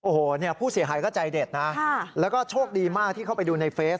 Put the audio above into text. โอ้โหเนี่ยผู้เสียหายก็ใจเด็ดนะแล้วก็โชคดีมากที่เข้าไปดูในเฟซ